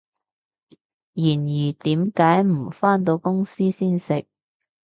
然而，點解唔返到公司先食？